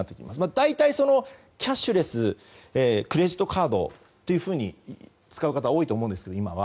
大体キャッシュレスやクレジットカードというふうに使う方が多いと思うんですが今は。